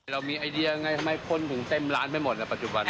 เรามีไอเดียยเรื่องไงเพื่อทำให้พลุนเต็มร้านไปหมดในปัจจุบัน